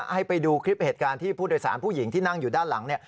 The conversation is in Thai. ให้ไปดูคลิปเหตุการณ์ที่ผู้โดยสารผู้หญิงที่นั่งอยู่ด้านหลัง